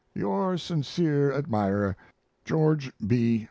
Your sincere admirer, GEORGE B.